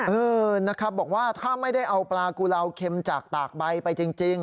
เออนะครับบอกว่าถ้าไม่ได้เอาปลากุลาวเค็มจากตากใบไปจริง